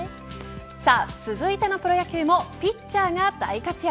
さあ、続いてのプロ野球もピッチャーが大活躍。